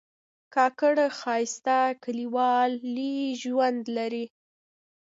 کاکړ ښایسته کلیوالي ژوند لري.